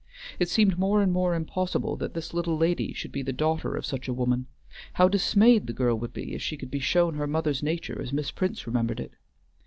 It seemed more and more impossible that this little lady should be the daughter of such a woman; how dismayed the girl would be if she could be shown her mother's nature as Miss Prince remembered it.